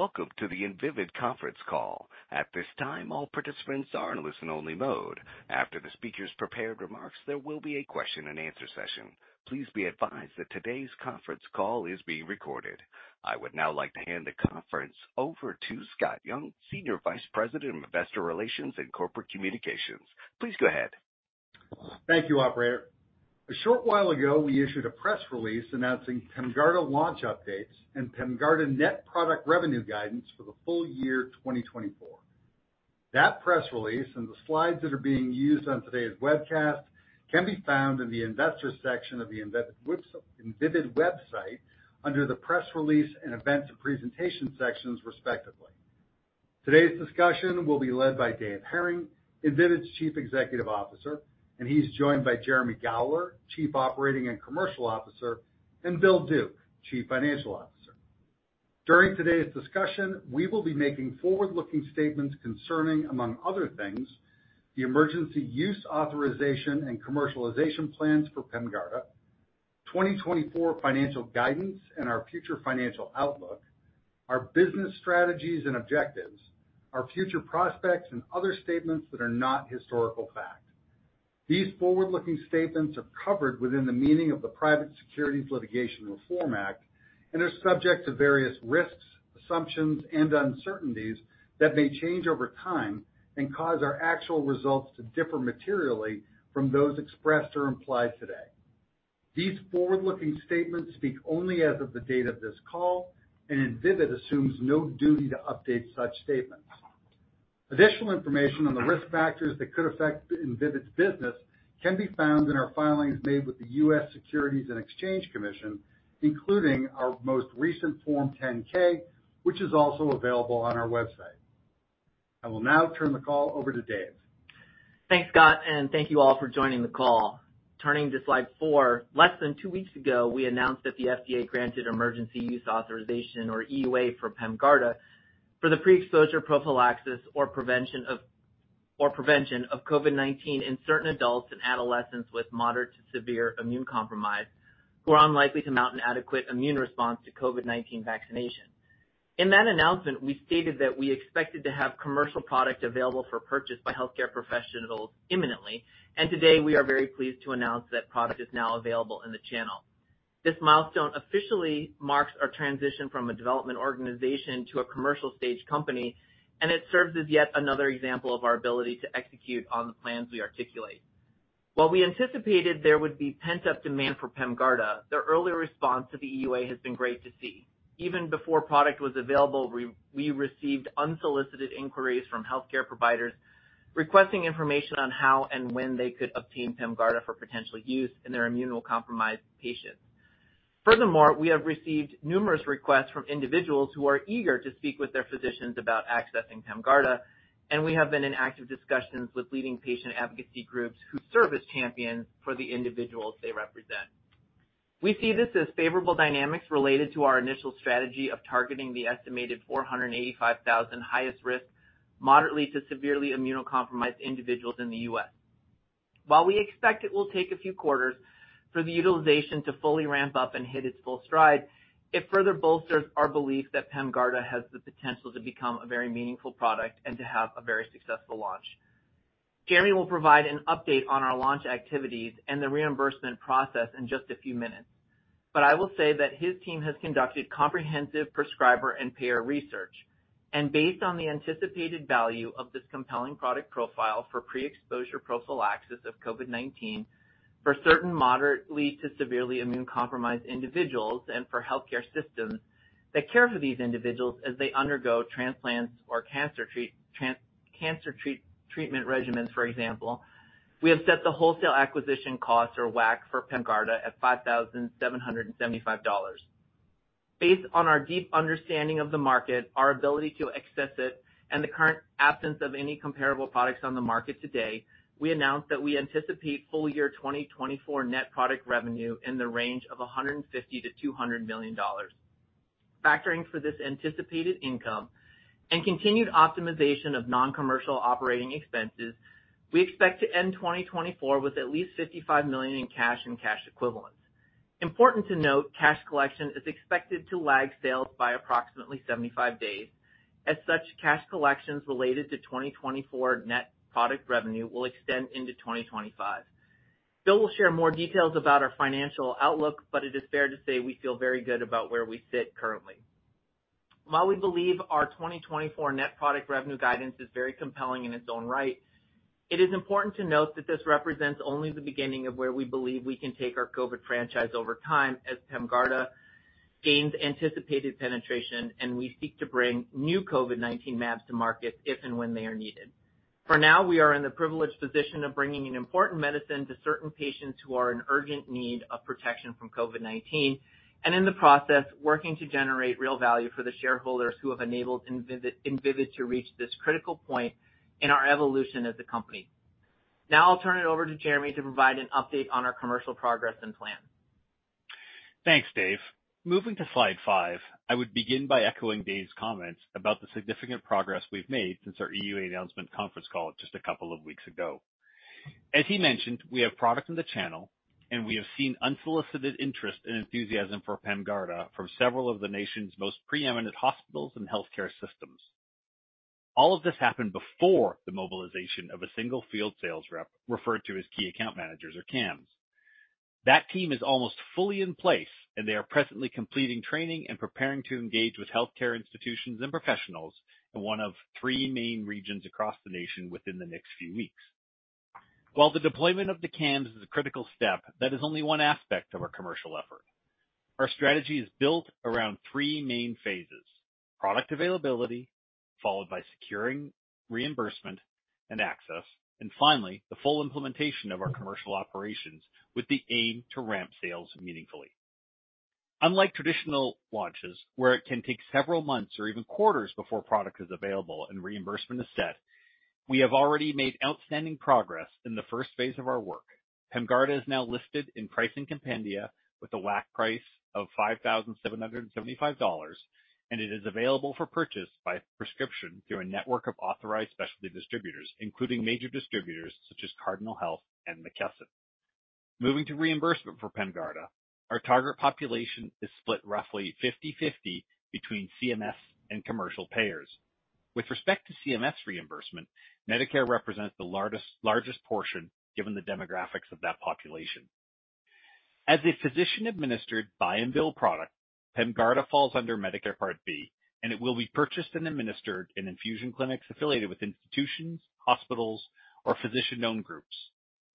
Welcome to the Invivyd conference call. At this time, all participants are in listen-only mode. After the speaker's prepared remarks, there will be a question-and-answer session. Please be advised that today's conference call is being recorded. I would now like to hand the conference over to Scott Young, Senior Vice President of Investor Relations and Corporate Communications. Please go ahead. Thank you, Operator. A short while ago, we issued a press release announcing PEMGARDA launch updates and PEMGARDA Net Product Revenue Guidance for the full year 2024. That press release and the slides that are being used on today's webcast can be found in the Investors section of the Invivyd website under the Press Release and Events and Presentations sections, respectively. Today's discussion will be led by Dave Hering, Invivyd's Chief Executive Officer, and he's joined by Jeremy Gowler, Chief Operating and Commercial Officer, and Bill Duke, Chief Financial Officer. During today's discussion, we will be making forward-looking statements concerning, among other things, the emergency use authorization and commercialization plans for PEMGARDA, 2024 financial guidance and our future financial outlook, our business strategies and objectives, our future prospects, and other statements that are not historical fact. These forward-looking statements are covered within the meaning of the Private Securities Litigation Reform Act and are subject to various risks, assumptions, and uncertainties that may change over time and cause our actual results to differ materially from those expressed or implied today. These forward-looking statements speak only as of the date of this call, and Invivyd assumes no duty to update such statements. Additional information on the risk factors that could affect Invivyd's business can be found in our filings made with the U.S. Securities and Exchange Commission, including our most recent Form 10-K, which is also available on our website. I will now turn the call over to Dave. Thanks, Scott, and thank you all for joining the call. Turning to slide four, less than two weeks ago, we announced that the FDA granted emergency use authorization, or EUA, for PEMGARDA for the pre-exposure prophylaxis or prevention of COVID-19 in certain adults and adolescents with moderate to severe immune compromise who are unlikely to mount an adequate immune response to COVID-19 vaccination. In that announcement, we stated that we expected to have commercial product available for purchase by healthcare professionals imminently, and today we are very pleased to announce that product is now available in the channel. This milestone officially marks our transition from a development organization to a commercial-stage company, and it serves as yet another example of our ability to execute on the plans we articulate. While we anticipated there would be pent-up demand for PEMGARDA, their early response to the EUA has been great to see. Even before product was available, we received unsolicited inquiries from healthcare providers requesting information on how and when they could obtain PEMGARDA for potential use in their immunocompromised patients. Furthermore, we have received numerous requests from individuals who are eager to speak with their physicians about accessing PEMGARDA, and we have been in active discussions with leading patient advocacy groups who serve as champions for the individuals they represent. We see this as favorable dynamics related to our initial strategy of targeting the estimated 485,000 highest-risk, moderately to severely immunocompromised individuals in the U.S. While we expect it will take a few quarters for the utilization to fully ramp up and hit its full stride, it further bolsters our belief that PEMGARDA has the potential to become a very meaningful product and to have a very successful launch. Jeremy will provide an update on our launch activities and the reimbursement process in just a few minutes, but I will say that his team has conducted comprehensive prescriber and payer research, and based on the anticipated value of this compelling product profile for pre-exposure prophylaxis of COVID-19 for certain moderately to severely immune-compromised individuals and for healthcare systems that care for these individuals as they undergo transplants or cancer treatment regimens, for example, we have set the wholesale acquisition cost, or WAC, for PEMGARDA at $5,775. Based on our deep understanding of the market, our ability to access it, and the current absence of any comparable products on the market today, we announced that we anticipate full year 2024 net product revenue in the range of $150 million-$200 million. Factoring for this anticipated income and continued optimization of non-commercial operating expenses, we expect to end 2024 with at least $55 million in cash and cash equivalents. Important to note, cash collection is expected to lag sales by approximately 75 days. As such, cash collections related to 2024 net product revenue will extend into 2025. Bill will share more details about our financial outlook, but it is fair to say we feel very good about where we sit currently. While we believe our 2024 net product revenue guidance is very compelling in its own right, it is important to note that this represents only the beginning of where we believe we can take our COVID franchise over time as PEMGARDA gains anticipated penetration, and we seek to bring new COVID-19 mAbs to market if and when they are needed. For now, we are in the privileged position of bringing an important medicine to certain patients who are in urgent need of protection from COVID-19, and in the process, working to generate real value for the shareholders who have enabled Invivyd to reach this critical point in our evolution as a company. Now I'll turn it over to Jeremy to provide an update on our commercial progress and plan. Thanks, Dave. Moving to slide five, I would begin by echoing Dave's comments about the significant progress we've made since our EUA announcement conference call just a couple of weeks ago. As he mentioned, we have product in the channel, and we have seen unsolicited interest and enthusiasm for PEMGARDA from several of the nation's most preeminent hospitals and healthcare systems. All of this happened before the mobilization of a single field sales rep referred to as key account managers, or CAMs. That team is almost fully in place, and they are presently completing training and preparing to engage with healthcare institutions and professionals in one of three main regions across the nation within the next few weeks. While the deployment of the CAMs is a critical step, that is only one aspect of our commercial effort. Our strategy is built around three main phases: product availability, followed by securing reimbursement and access, and finally, the full implementation of our commercial operations with the aim to ramp sales meaningfully. Unlike traditional launches, where it can take several months or even quarters before product is available and reimbursement is set, we have already made outstanding progress in the first phase of our work. PEMGARDA is now listed in Pricing Compendium with a WAC price of $5,775, and it is available for purchase by prescription through a network of authorized specialty distributors, including major distributors such as Cardinal Health and McKesson. Moving to reimbursement for PEMGARDA, our target population is split roughly 50/50 between CMS and commercial payers. With respect to CMS reimbursement, Medicare represents the largest portion given the demographics of that population. As a physician-administered buy-and-bill product, PEMGARDA falls under Medicare Part B, and it will be purchased and administered in infusion clinics affiliated with institutions, hospitals, or physician-owned groups.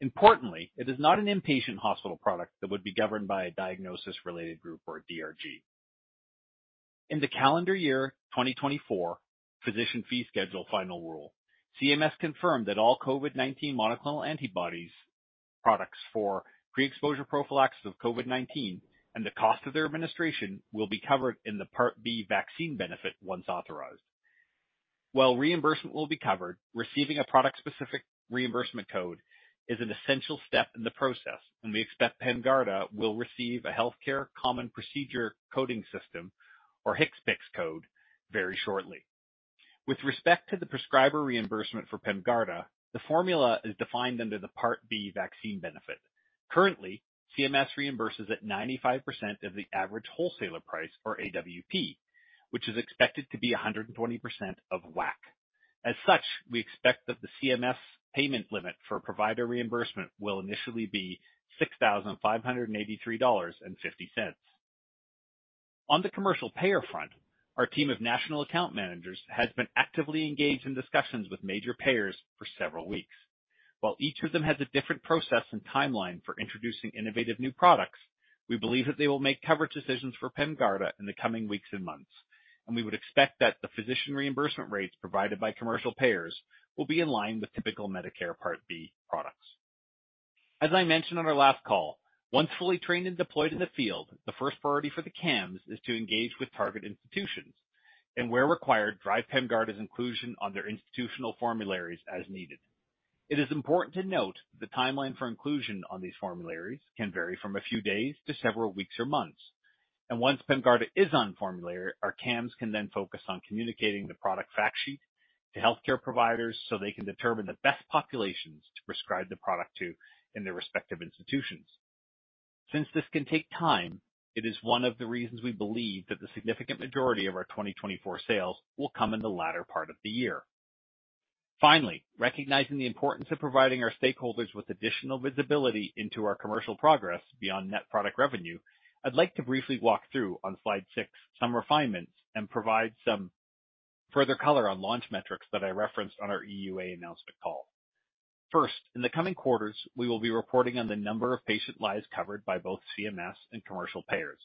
Importantly, it is not an inpatient hospital product that would be governed by a diagnosis-related group or DRG. In the calendar year 2024 Physician Fee Schedule Final Rule, CMS confirmed that all COVID-19 monoclonal antibodies products for pre-exposure prophylaxis of COVID-19 and the cost of their administration will be covered in the Part B vaccine benefit once authorized. While reimbursement will be covered, receiving a product-specific reimbursement code is an essential step in the process, and we expect PEMGARDA will receive a Healthcare Common Procedure Coding System, or HCPCS, code very shortly. With respect to the prescriber reimbursement for PEMGARDA, the formula is defined under the Part B vaccine benefit. Currently, CMS reimburses at 95% of the Average Wholesale Price, or AWP, which is expected to be 120% of WAC. As such, we expect that the CMS payment limit for provider reimbursement will initially be $6,583.50. On the commercial payer front, our team of national account managers has been actively engaged in discussions with major payers for several weeks. While each of them has a different process and timeline for introducing innovative new products, we believe that they will make coverage decisions for PEMGARDA in the coming weeks and months, and we would expect that the physician reimbursement rates provided by commercial payers will be in line with typical Medicare Part B products. As I mentioned on our last call, once fully trained and deployed in the field, the first priority for the CAMs is to engage with target institutions and, where required, drive PEMGARDA's inclusion on their institutional formularies as needed. It is important to note that the timeline for inclusion on these formularies can vary from a few days to several weeks or months, and once PEMGARDA is on formulary, our CAMs can then focus on communicating the product fact sheet to healthcare providers so they can determine the best populations to prescribe the product to in their respective institutions. Since this can take time, it is one of the reasons we believe that the significant majority of our 2024 sales will come in the latter part of the year. Finally, recognizing the importance of providing our stakeholders with additional visibility into our commercial progress beyond net product revenue, I'd like to briefly walk through, on slide six, some refinements and provide some further color on launch metrics that I referenced on our EUA announcement call. First, in the coming quarters, we will be reporting on the number of patient lives covered by both CMS and commercial payers.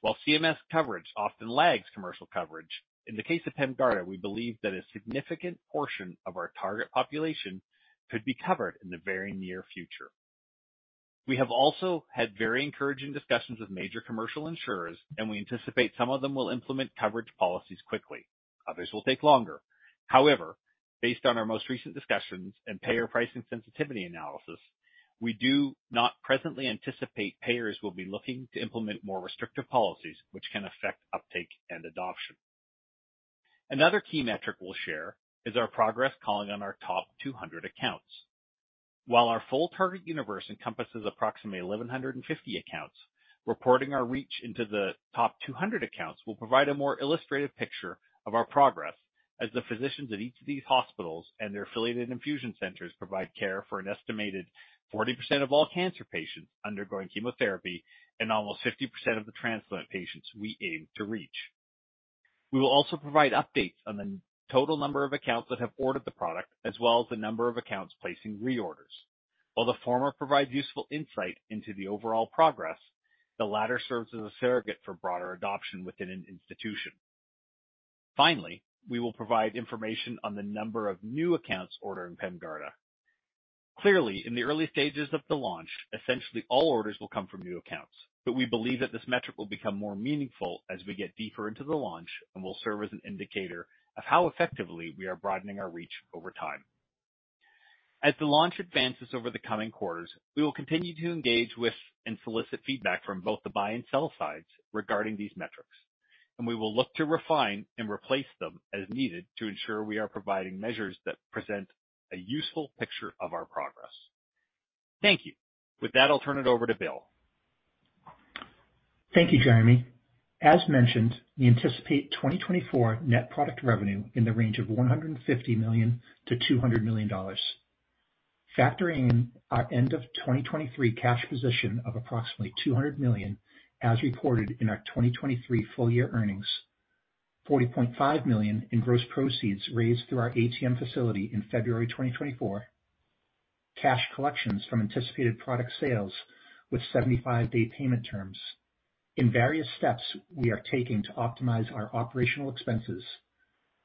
While CMS coverage often lags commercial coverage, in the case of PEMGARDA, we believe that a significant portion of our target population could be covered in the very near future. We have also had very encouraging discussions with major commercial insurers, and we anticipate some of them will implement coverage policies quickly. Others will take longer. However, based on our most recent discussions and payer pricing sensitivity analysis, we do not presently anticipate payers will be looking to implement more restrictive policies, which can affect uptake and adoption. Another key metric we'll share is our progress calling on our top 200 accounts. While our full target universe encompasses approximately 1,150 accounts, reporting our reach into the top 200 accounts will provide a more illustrative picture of our progress as the physicians at each of these hospitals and their affiliated infusion centers provide care for an estimated 40% of all cancer patients undergoing chemotherapy and almost 50% of the transplant patients we aim to reach. We will also provide updates on the total number of accounts that have ordered the product, as well as the number of accounts placing reorders. While the former provides useful insight into the overall progress, the latter serves as a surrogate for broader adoption within an institution. Finally, we will provide information on the number of new accounts ordering PEMGARDA. Clearly, in the early stages of the launch, essentially all orders will come from new accounts, but we believe that this metric will become more meaningful as we get deeper into the launch and will serve as an indicator of how effectively we are broadening our reach over time. As the launch advances over the coming quarters, we will continue to engage with and solicit feedback from both the buy-and-sell sides regarding these metrics, and we will look to refine and replace them as needed to ensure we are providing measures that present a useful picture of our progress. Thank you. With that, I'll turn it over to Bill. Thank you, Jeremy. As mentioned, we anticipate 2024 net product revenue in the range of $150 million-$200 million, factoring in our end-of-2023 cash position of approximately $200 million as reported in our 2023 full-year earnings, $40.5 million in gross proceeds raised through our ATM facility in February 2024, cash collections from anticipated product sales with 75-day payment terms. In various steps we are taking to optimize our operational expenses,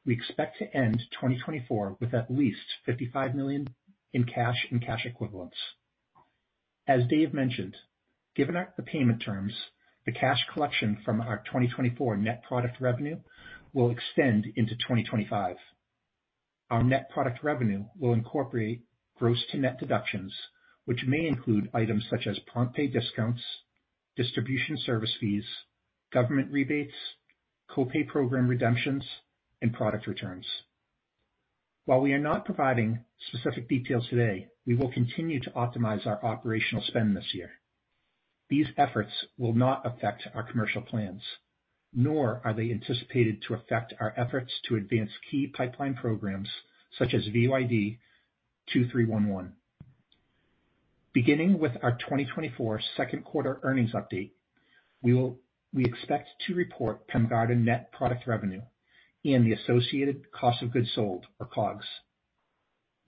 we expect to end 2024 with at least $55 million in cash and cash equivalents. As Dave mentioned, given the payment terms, the cash collection from our 2024 net product revenue will extend into 2025. Our net product revenue will incorporate gross-to-net deductions, which may include items such as prompt pay discounts, distribution service fees, government rebates, copay program redemptions, and product returns. While we are not providing specific details today, we will continue to optimize our operational spend this year. These efforts will not affect our commercial plans, nor are they anticipated to affect our efforts to advance key pipeline programs such as VYD2311. Beginning with our 2024 second quarter earnings update, we expect to report PEMGARDA net product revenue and the associated cost of goods sold, or COGS.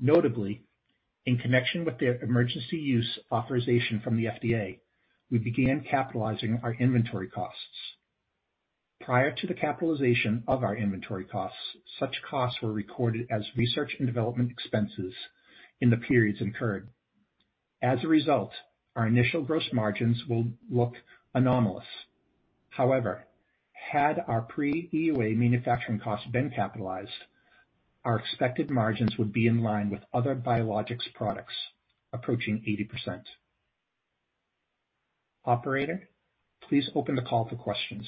Notably, in connection with the emergency use authorization from the FDA, we began capitalizing our inventory costs. Prior to the capitalization of our inventory costs, such costs were recorded as research and development expenses in the periods incurred. As a result, our initial gross margins will look anomalous. However, had our pre-EUA manufacturing costs been capitalized, our expected margins would be in line with other biologics products, approaching 80%. Operator, please open the call for questions.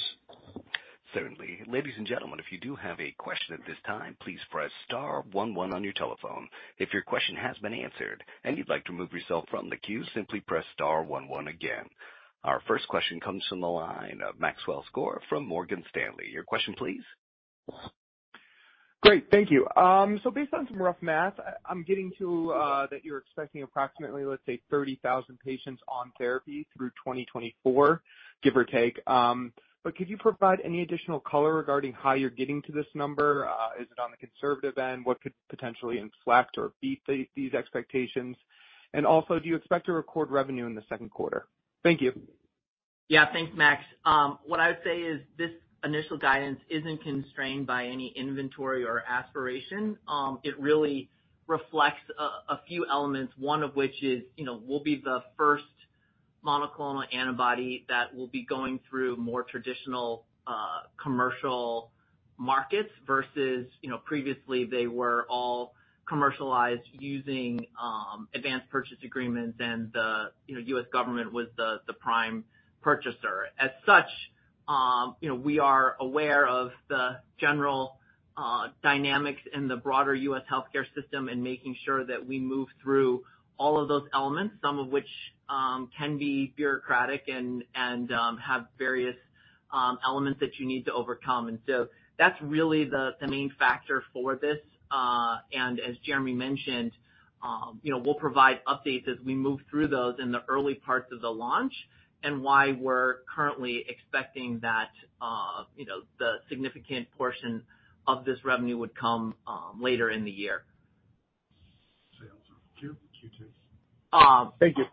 Certainly. Ladies and gentlemen, if you do have a question at this time, please press star 11 on your telephone. If your question has been answered and you'd like to remove yourself from the queue, simply press star 11 again. Our first question comes from the line of Maxwell Skor from Morgan Stanley. Your question, please. Great. Thank you. So based on some rough math, I'm getting to that you're expecting approximately, let's say, 30,000 patients on therapy through 2024, give or take. But could you provide any additional color regarding how you're getting to this number? Is it on the conservative end? What could potentially inflect or beat these expectations? And also, do you expect to record revenue in the second quarter? Thank you. Yeah. Thanks, Max. What I would say is this initial guidance isn't constrained by any inventory or aspiration. It really reflects a few elements, one of which is we'll be the first monoclonal antibody that will be going through more traditional commercial markets versus previously, they were all commercialized using advance purchase agreements, and the U.S. government was the prime purchaser. As such, we are aware of the general dynamics in the broader U.S. healthcare system and making sure that we move through all of those elements, some of which can be bureaucratic and have various elements that you need to overcome. And so that's really the main factor for this. And as Jeremy mentioned, we'll provide updates as we move through those in the early parts of the launch and why we're currently expecting that the significant portion of this revenue would come later in the year. Sales. Q2.Thank you.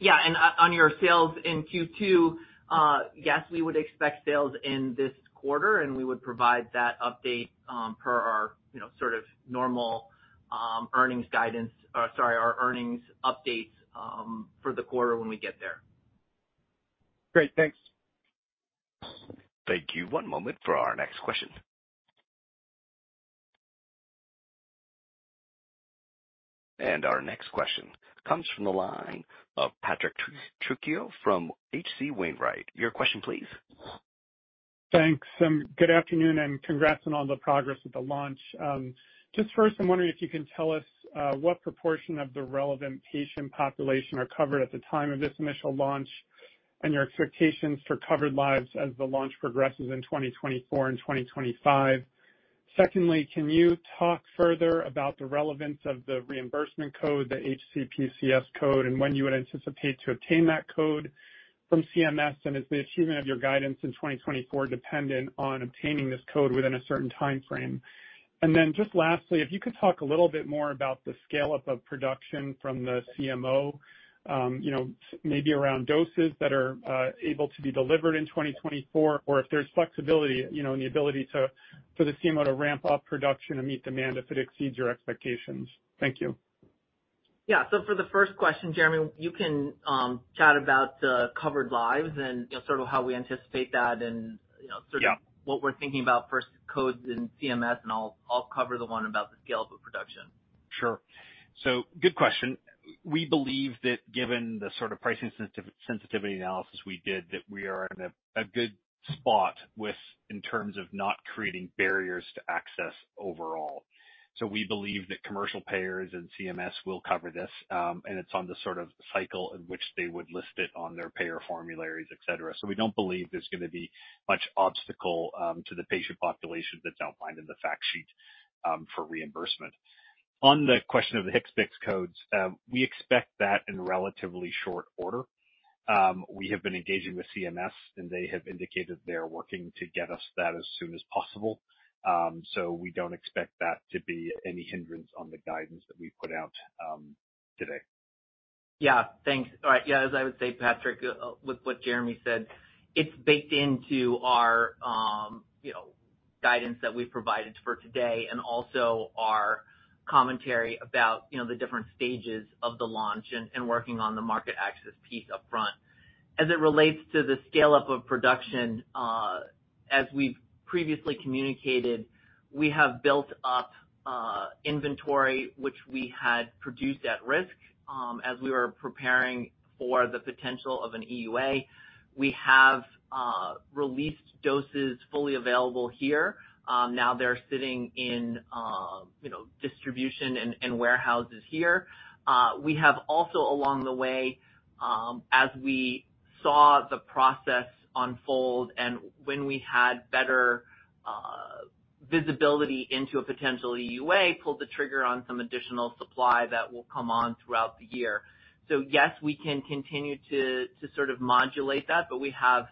Yeah. And on your sales in Q2, yes, we would expect sales in this quarter, and we would provide that update per our sort of normal earnings guidance or sorry, our earnings updates for the quarter when we get there. Great. Thanks. Thank you. One moment for our next question. Our next question comes from the line of Patrick Trucchio from H.C. Wainwright. Your question, please. Thanks. Good afternoon and congrats on all the progress with the launch. Just first, I'm wondering if you can tell us what proportion of the relevant patient population are covered at the time of this initial launch and your expectations for covered lives as the launch progresses in 2024 and 2025? Secondly, can you talk further about the relevance of the reimbursement code, the HCPCS code, and when you would anticipate to obtain that code from CMS? And is the achievement of your guidance in 2024 dependent on obtaining this code within a certain timeframe? And then just lastly, if you could talk a little bit more about the scale-up of production from the CMO, maybe around doses that are able to be delivered in 2024 or if there's flexibility and the ability for the CMO to ramp up production and meet demand if it exceeds your expectations? Thank you. Yeah. So for the first question, Jeremy, you can chat about covered lives and sort of how we anticipate that and sort of what we're thinking about first codes in CMS, and I'll cover the one about the scale-up of production. Sure. So good question. We believe that given the sort of pricing sensitivity analysis we did, that we are in a good spot in terms of not creating barriers to access overall. So we believe that commercial payers and CMS will cover this, and it's on the sort of cycle in which they would list it on their payer formularies, etc. So we don't believe there's going to be much obstacle to the patient population that's outlined in the fact sheet for reimbursement. On the question of the HCPCS codes, we expect that in relatively short order. We have been engaging with CMS, and they have indicated they are working to get us that as soon as possible. So we don't expect that to be any hindrance on the guidance that we put out today. Yeah. Thanks. All right. Yeah. As I would say, Patrick, with what Jeremy said, it's baked into our guidance that we've provided for today and also our commentary about the different stages of the launch and working on the market access piece upfront. As it relates to the scale-up of production, as we've previously communicated, we have built up inventory, which we had produced at risk as we were preparing for the potential of an EUA. We have released doses fully available here. Now they're sitting in distribution and warehouses here. We have also, along the way, as we saw the process unfold and when we had better visibility into a potential EUA, pulled the trigger on some additional supply that will come on throughout the year. So yes, we can continue to sort of modulate that, but we have a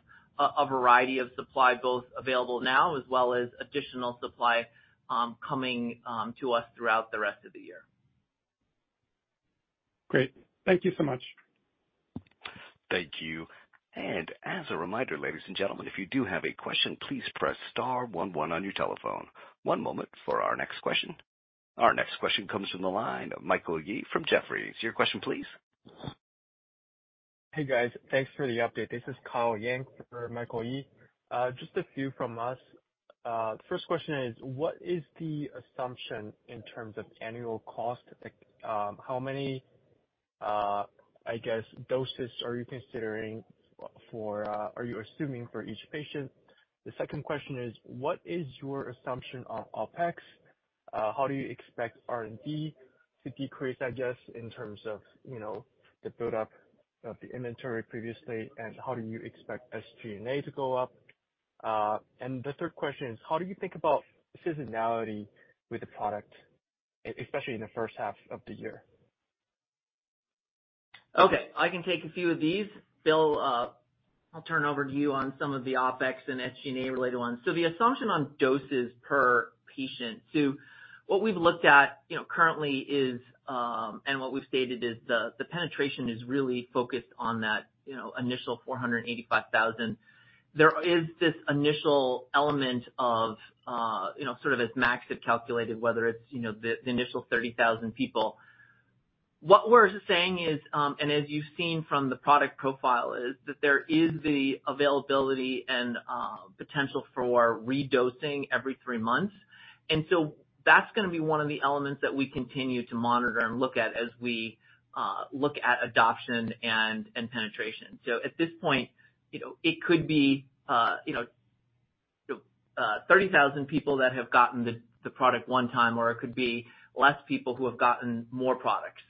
variety of supply both available now as well as additional supply coming to us throughout the rest of the year. Great. Thank you so much. Thank you. As a reminder, ladies and gentlemen, if you do have a question, please press star 11 on your telephone. One moment for our next question. Our next question comes from the line of Michael Yee from Jefferies. Your question, please. Hey, guys. Thanks for the update. This is Carl Yang for Michael Yee. Just a few from us. The first question is, what is the assumption in terms of annual cost? How many, I guess, doses are you considering for are you assuming for each patient? The second question is, what is your assumption on OpEx? How do you expect R&D to decrease, I guess, in terms of the buildup of the inventory previously, and how do you expect SG&A to go up? And the third question is, how do you think about seasonality with the product, especially in the first half of the year? Okay. I can take a few of these. Bill, I'll turn over to you on some of the OpEx and SG&A-related ones. So the assumption on doses per patient, so what we've looked at currently is and what we've stated is the penetration is really focused on that initial 485,000. There is this initial element of sort of as Max had calculated, whether it's the initial 30,000 people. What we're saying is, and as you've seen from the product profile, is that there is the availability and potential for redosing every three months. And so that's going to be one of the elements that we continue to monitor and look at as we look at adoption and penetration. So at this point, it could be 30,000 people that have gotten the product one time, or it could be less people who have gotten more products,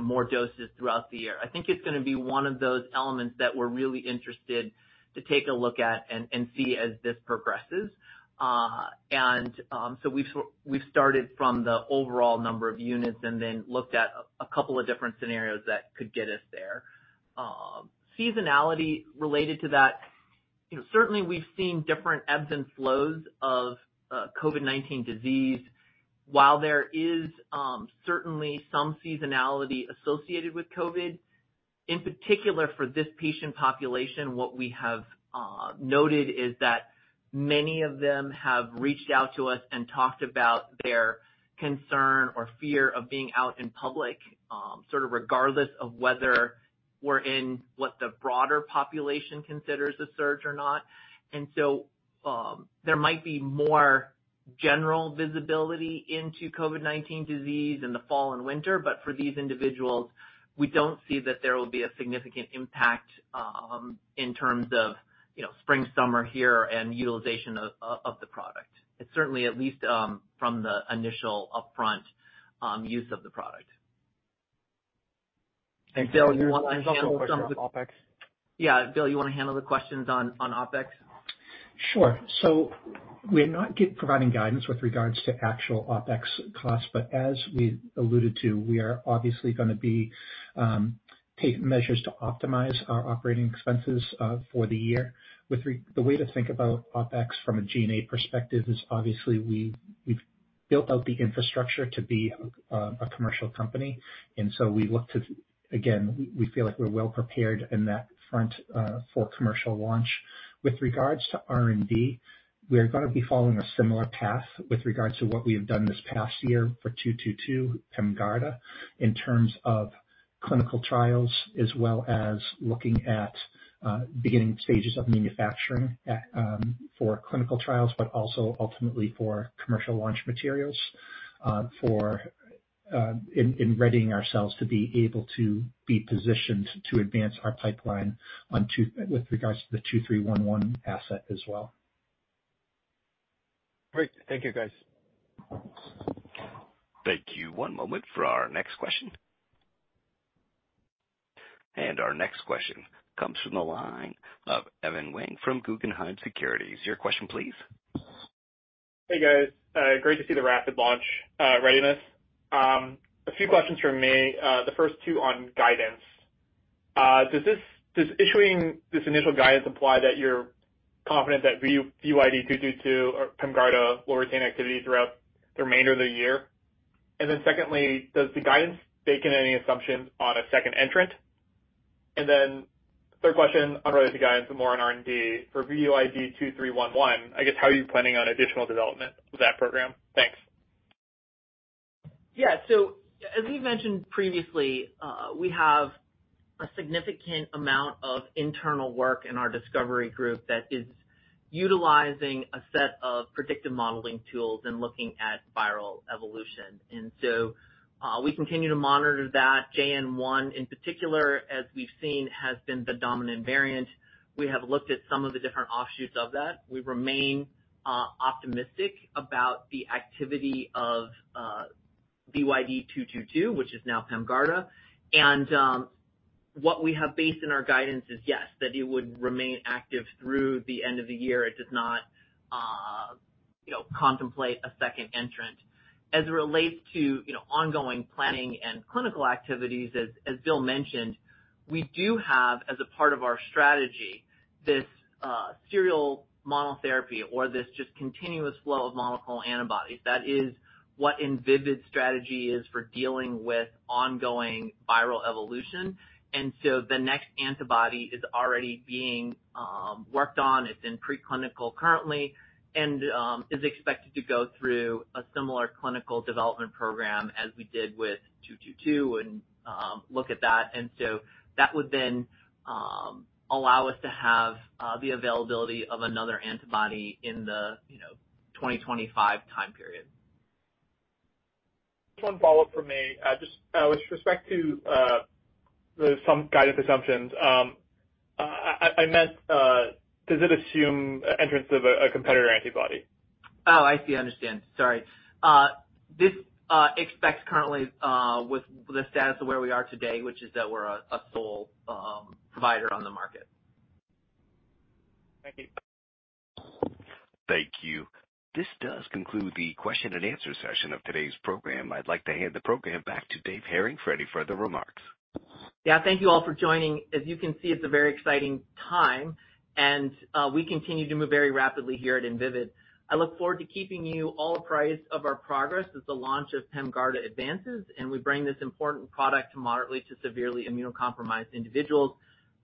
more doses throughout the year. I think it's going to be one of those elements that we're really interested to take a look at and see as this progresses. So we've started from the overall number of units and then looked at a couple of different scenarios that could get us there. Seasonality related to that, certainly, we've seen different ebbs and flows of COVID-19 disease. While there is certainly some seasonality associated with COVID, in particular for this patient population, what we have noted is that many of them have reached out to us and talked about their concern or fear of being out in public, sort of regardless of whether we're in what the broader population considers a surge or not. And so there might be more general visibility into COVID-19 disease in the fall and winter, but for these individuals, we don't see that there will be a significant impact in terms of spring, summer here, and utilization of the product. It's certainly at least from the initial upfront use of the product. Thanks. Bill, you want to handle some of the OpEx? Yeah. Bill, you want to handle the questions on OpEx? Sure. So we are not providing guidance with regards to actual OpEx costs, but as we alluded to, we are obviously going to take measures to optimize our operating expenses for the year. The way to think about OpEx from a G&A perspective is obviously, we've built out the infrastructure to be a commercial company. And so we look to again, we feel like we're well-prepared in that front for commercial launch. With regards to R&D, we are going to be following a similar path with regards to what we have done this past year for 222, PEMGARDA, in terms of clinical trials as well as looking at beginning stages of manufacturing for clinical trials, but also ultimately for commercial launch materials in readying ourselves to be able to be positioned to advance our pipeline with regards to the 2311 asset as well. Great. Thank you, guys. Thank you. One moment for our next question. Our next question comes from the line of Evan Wang from Guggenheim Securities. Your question, please. Hey, guys. Great to see the rapid launch readiness. A few questions from me. The first two on guidance. Does issuing this initial guidance imply that you're confident that VYD222 or PEMGARDA will retain activity throughout the remainder of the year? And then secondly, does the guidance bake in any assumptions on a second entrant? And then third question, unrelated to guidance, but more on R&D. For VYD2311, I guess, how are you planning on additional development of that program? Thanks. Yeah. So as we've mentioned previously, we have a significant amount of internal work in our discovery group that is utilizing a set of predictive modeling tools and looking at viral evolution. And so we continue to monitor that JN.1, in particular, as we've seen, has been the dominant variant. We have looked at some of the different offshoots of that. We remain optimistic about the activity of VYD222, which is now PEMGARDA. And what we have based in our guidance is, yes, that it would remain active through the end of the year. It does not contemplate a second entrant. As it relates to ongoing planning and clinical activities, as Bill mentioned, we do have, as a part of our strategy, this serial monotherapy or this just continuous flow of monoclonal antibodies. That is what Invivyd's strategy is for dealing with ongoing viral evolution. The next antibody is already being worked on. It's in preclinical currently and is expected to go through a similar clinical development program as we did with 222, and look at that. That would then allow us to have the availability of another antibody in the 2025 time period. One follow-up from me. With respect to some guidance assumptions, I meant, does it assume entrance of a competitor antibody? Oh, I see. I understand. Sorry. This aspect currently, with the status of where we are today, which is that we're a sole provider on the market. Thank you. Thank you. This does conclude the question-and-answer session of today's program. I'd like to hand the program back to Dave Hering for any further remarks. Yeah. Thank you all for joining. As you can see, it's a very exciting time, and we continue to move very rapidly here at Invivyd. I look forward to keeping you all apprised of our progress as the launch of PEMGARDA advances, and we bring this important product to moderately to severely immunocompromised individuals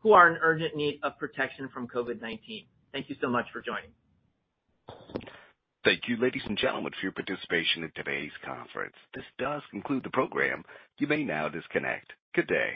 who are in urgent need of protection from COVID-19. Thank you so much for joining. Thank you, ladies and gentlemen, for your participation in today's conference. This does conclude the program. You may now disconnect. Good day.